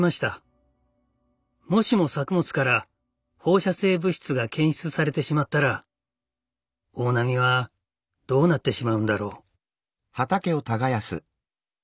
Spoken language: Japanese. もしも作物から放射性物質が検出されてしまったら大波はどうなってしまうんだろう？